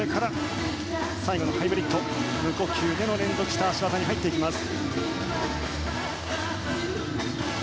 最後のハイブリッド無呼吸での連続した脚技に入っていきます。